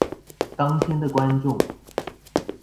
當天的觀眾